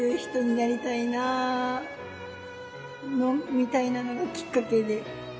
みたいなのがきっかけで。